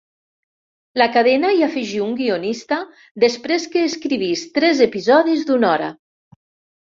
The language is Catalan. La cadena hi afegí un guionista, després que escrivís tres episodis d'una hora.